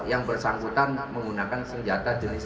yang bersangkutan menggunakan senjata jenis